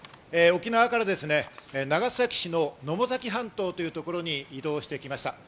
沖縄から長崎市の野母崎半島というところに移動してきました。